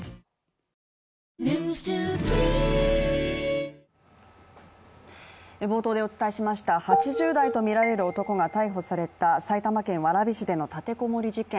そして冒頭でお伝えしました８０代とみられる男が逮捕された埼玉県蕨市での立てこもり事件